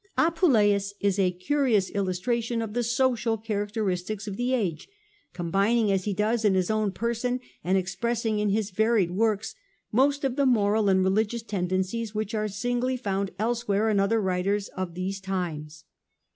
He is a curious illustra tion of the social characteristics of the age, combining as he does in his own person, and expressing in his varied works, most of the moral and religious tendencies which are singly found elsewhere in other writers of these times.